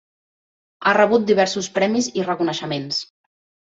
Ha rebut diversos premis i reconeixements.